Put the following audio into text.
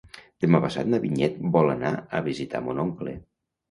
Demà passat na Vinyet vol anar a visitar mon oncle.